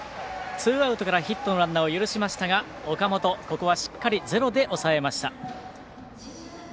ツーアウトからヒットのランナーを許しましたが岡本、ここはしっかりゼロで抑えました。